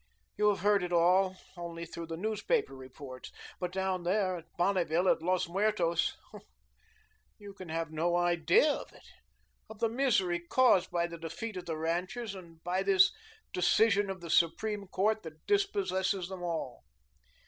You have heard of it all only through the newspaper reports. But down there, at Bonneville, at Los Muertos oh, you can have no idea of it, of the misery caused by the defeat of the ranchers and by this decision of the Supreme Court that dispossesses them all.